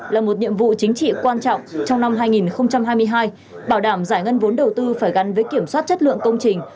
là một nhiệm vụ chính trị quan trọng trong năm hai nghìn hai mươi hai bảo đảm giải ngân vốn đầu tư phải gắn với kiểm soát chất lượng công trình